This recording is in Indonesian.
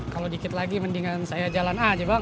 kalau dikit lagi mendingan saya jalan aja bang